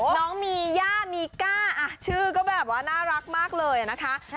น้องมีย่ามีก้าชื่อก็แบบว่าน่ารักมากเลยนะคะ